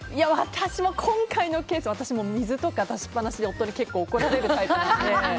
今回のケースは私も水とか出しっぱなしで夫に結構怒られるタイプなので。